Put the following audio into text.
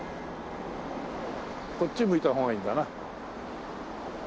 こっち向いたほうがいいんだな。